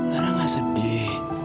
lara gak sedih